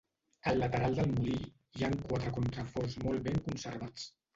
Al lateral del molí hi han quatre contraforts molt ben conservats.